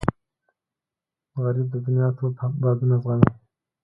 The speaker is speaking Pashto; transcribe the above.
غریب د دنیا تود بادونه زغمي